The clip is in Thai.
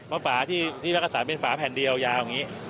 ฝาที่รักษาเป็นฝาแผ่นเดียวยาวอย่างนี้